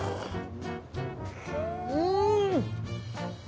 うん！